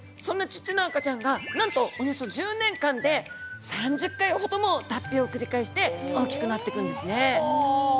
そんなちっちゃな赤ちゃんがなんとおよそ１０年間で３０回ほども脱皮を繰り返して大きくなっていくんですね。